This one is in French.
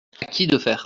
À qui de faire ?